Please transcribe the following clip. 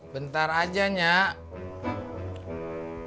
bentar aja nyak